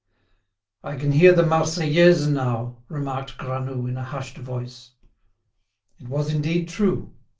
"I can hear the 'Marseillaise' now," remarked Granoux in a hushed voice. It was indeed true.